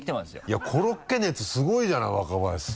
いやコロッケ熱すごいじゃない若林さん。